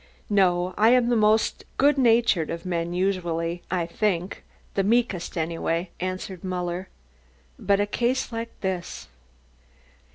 "No, I am the most good natured of men usually, I think the meekest anyway," answered Muller. "But a case like this